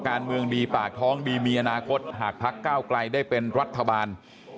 การเมืองดีปากท้องดีมีอนาคตหากพักก้าวไกลได้เป็นรัฐบาล